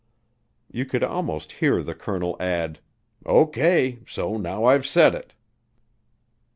You could almost hear the colonel add, "O.K., so now I've said it."